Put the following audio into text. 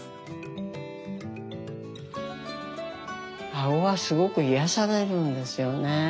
かごはすごく癒やされるんですよね。